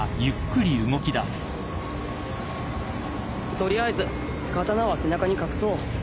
取りあえず刀は背中に隠そう。